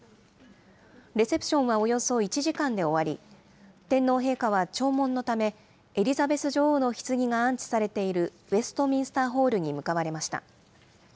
レセプションはおよそ１時間で終わり、天皇陛下は弔問のため、エリザベス女王のひつぎが安置されているウェストミンスターホールに向かわれました。